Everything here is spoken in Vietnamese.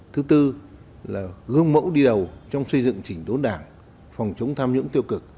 thứ tư gương mẫu đi đầu trong xây dựng chỉnh tốn đảng phòng chống tham nhũng tiêu cực